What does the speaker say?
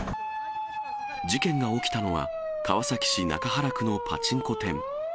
事件が起きたのは、川崎市中原区のパチンコ店。